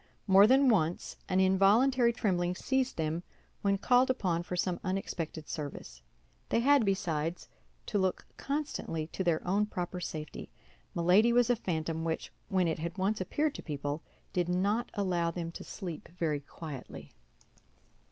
More than once an involuntary trembling seized them when called upon for some unexpected service. They had, besides, to look constantly to their own proper safety; Milady was a phantom which, when it had once appeared to people, did not allow them to sleep very quietly.